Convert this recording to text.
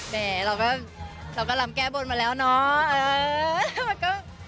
แหมเรากำลังแก้บนมาแล้วเนอะ